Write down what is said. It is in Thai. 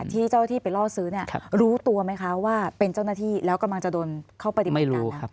ที่เจ้าที่ไปล่อซื้อเนี่ยรู้ตัวไหมคะว่าเป็นเจ้าหน้าที่แล้วกำลังจะโดนเข้าปฏิบัติการแล้ว